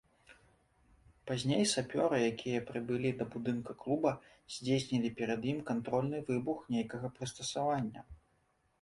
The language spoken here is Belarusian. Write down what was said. Пазней сапёры, якія прыбылі да будынка клуба, здзейснілі перад ім кантрольны выбух нейкага прыстасавання.